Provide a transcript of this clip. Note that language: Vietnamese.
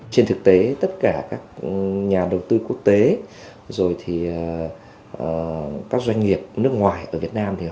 trên thực tế tất cả các nhà đầu tư quốc tế rồi các doanh nghiệp nước ngoài ở việt nam